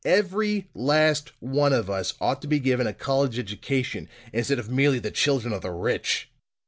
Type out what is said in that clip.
Every last one of us ought to be given a college education, instead of merely the children of the rich!